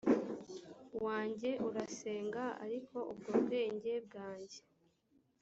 wanjye urasenga ariko ubwo bwenge bwanjye